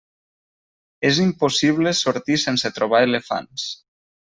És impossible sortir sense trobar elefants.